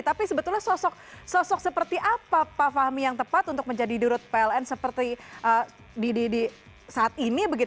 tapi sebetulnya sosok seperti apa pak fahmi yang tepat untuk menjadi dirut pln seperti saat ini